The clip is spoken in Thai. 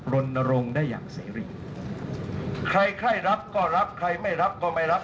รณรงค์ได้อย่างเสรีใครใครรับก็รับใครไม่รับก็ไม่รับ